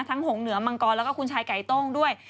หงเหนือมังกรแล้วก็คุณชายไก่โต้งด้วย